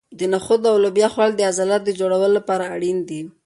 د نخودو او لوبیا خوړل د عضلاتو د جوړولو لپاره اړین دي.